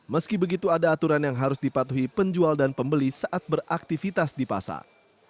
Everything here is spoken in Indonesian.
meski begitu ada aturan yang harus dipatuhi penjual dan pembeli saat beraktivitas di pasar